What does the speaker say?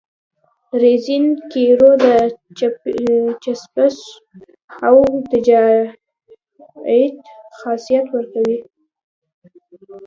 رزین قیرو ته د چسپش او ارتجاعیت خاصیت ورکوي